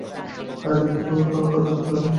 তাহাদিগকে প্রত্যহ খাদ্য দিতে হইবে।